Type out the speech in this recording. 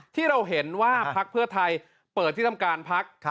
ที่เราเห็นว่าพักเพื่อไทยเปิดที่ทำการพัก